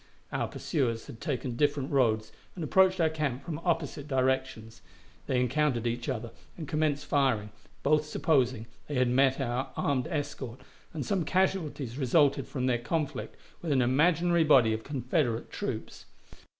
Our pursuers had taken different roads, and approached our camp from opposite directions; they encountered each other and commenced firing, both supposing they had met our armed escort, and some casualties resulted from their conflict with an imaginary body of Confederate troops.